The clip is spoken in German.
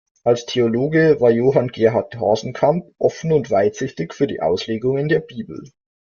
Als Theologe war Johann Gerhard Hasenkamp offen und weitsichtig für die Auslegungen der Bibel.